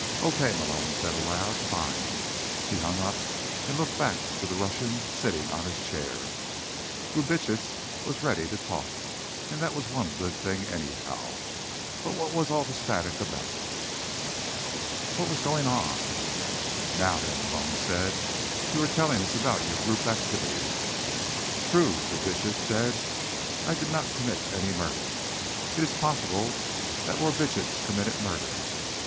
"Okay," Malone said aloud. "Fine." He hung up and looked back to the Russian sitting on his chair. Brubitsch was ready to talk, and that was one good thing, anyhow. But what was all the static about? What was going on? "Now, then," Malone said. "You were telling us about your group activities." "True," Brubitsch said. "I did not commit any murders. It is possible that Borbitsch committed murders.